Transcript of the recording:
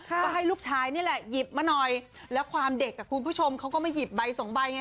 ก็ให้ลูกชายนี่แหละหยิบมาหน่อยแล้วความเด็กอ่ะคุณผู้ชมเขาก็มาหยิบใบสองใบไง